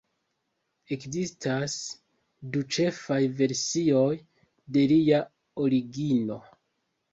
Ekzistas du ĉefaj versioj de lia origino.